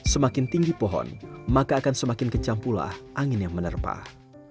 semakin tinggi pohon maka akan semakin kencang pula angin yang menerpah